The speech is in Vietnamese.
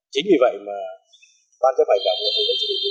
chính vì vậy mà ban chấp hành đảng ngoại trưởng ngoại trưởng địa chủ địa